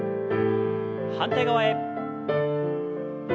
反対側へ。